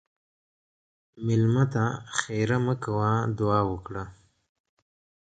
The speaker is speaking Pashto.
مېلمه ته ښیرا مه کوه، دعا وکړه.